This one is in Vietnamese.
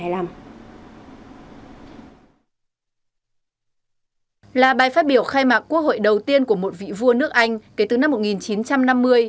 là bài phát biểu khai mạc quốc hội đầu tiên của một vị vua nước anh kể từ năm một nghìn chín trăm năm mươi